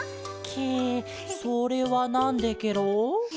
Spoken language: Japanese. ケそれはなんでケロ？